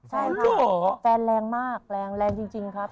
ใช่ค่ะแฟนแรงมากแรงจริงครับ